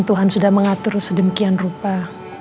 aku ga bisa mencantum ke rosak